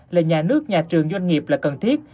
là nhà nước nhà trường doanh nghiệp là cần thiết